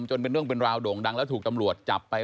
เป็นเรื่องเป็นราวโด่งดังแล้วถูกตำรวจจับไป